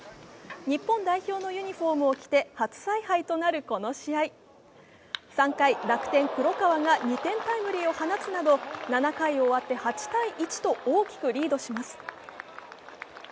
日本代表のユニフォームを着て初采配となるこの試合、２回、楽天・黒川が２点タイムリーを放つなど７回を終わって８−１と大きくリードします。